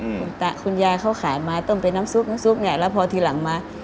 คุณตาคุณยายเขาขายมาต้มเป็นน้ำซุปน้ำซุปเนี่ยแล้วพอทีหลังมา